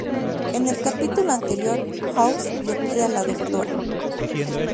En el capítulo anterior House le pide a la Dra.